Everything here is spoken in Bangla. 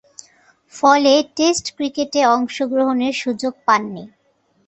ফলে, টেস্ট ক্রিকেটে অংশগ্রহণের সুযোগ পাননি।